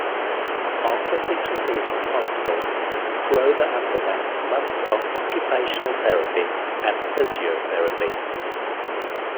After his release from hospital, Crowther underwent months of occupational therapy and physiotherapy.